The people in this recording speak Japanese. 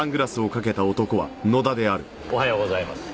おはようございます。